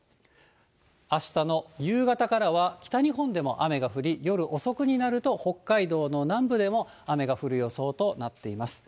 あしたの夕方からは、北日本でも雨が降り、夜遅くになると北海道の南部でも雨が降る予想となっています。